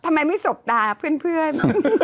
ทำไมไม่สบตาเพื่อน